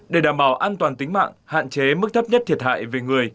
để đảm bảo an toàn tính mạng hạn chế mức thấp nhất thiệt hại về người